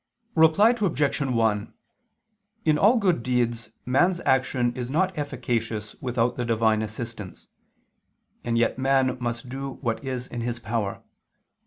Reply Obj. 1: In all good deeds man's action is not efficacious without the Divine assistance: and yet man must do what is in his power.